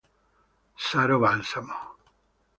Saro Balsamo